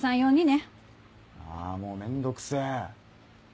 あーもうめんどくせえ。